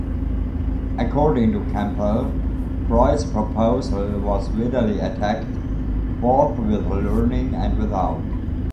According to Campbell, Freud's proposal was widely attacked, both with learning and without.